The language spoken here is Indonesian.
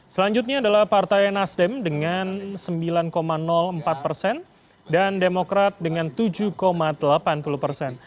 selanjutnya adalah partai nasdem dengan sembilan empat persen dan demokrat dengan tujuh delapan puluh persen